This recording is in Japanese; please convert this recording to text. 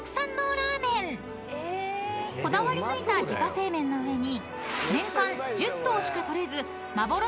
［こだわり抜いた自家製麺の上に］